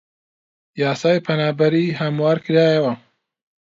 یاسای پەنابەری هەموار کرایەوە